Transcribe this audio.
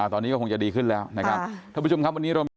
ตอนนี้ก็คงจะดีขึ้นแล้วนะครับ